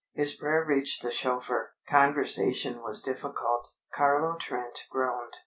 His prayer reached the chauffeur. Conversation was difficult; Carlo Trent groaned.